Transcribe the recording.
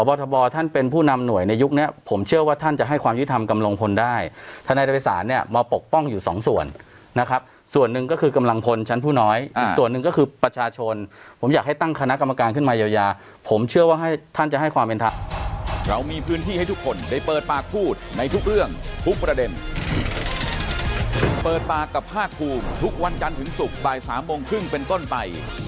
พบทบท่านเป็นผู้นำหน่วยในยุคนี้ผมเชื่อว่าท่านจะให้ความยุทธรรมกำลงพลได้ธนายภัยสารเนี่ยมาปกป้องอยู่สองส่วนนะครับส่วนหนึ่งก็คือกำลังพลชั้นผู้น้อยส่วนหนึ่งก็คือประชาชนผมอยากให้ตั้งคณะกรรมการขึ้นมายาวผมเชื่อว่าให้ท่านจะให้ความเอ็นทะ